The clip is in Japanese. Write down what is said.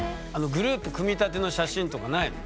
グループ組みたての写真とかないの？